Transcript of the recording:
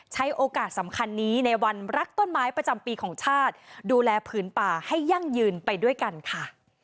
ใช้โอกาสสำคัญนี้ในวันรักต้นไม้ประจำปีของชาติดูแลผืนป่าให้ยั่งยืนไปด้วยกันค่ะ